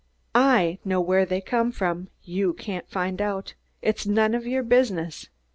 I know where they come from; you can't find out. It's none of your business.